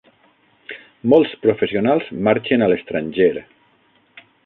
Molts professionals marxen a l'estranger.